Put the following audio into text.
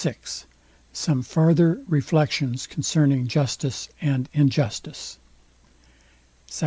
VI SOME FARTHER REFLECTIONS CONCERNING JUSTICE AND INJUSTICE SECT.